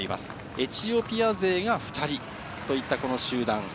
エチオピア勢が２人といった集団。